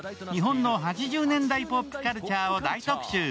日本の８０年代ポップカルチャーを大特集。